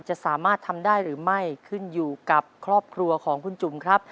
จะสามารถทำได้หรือไม่ขึ้นอยู่กับครอบครัวของคุณจุ๋มครับ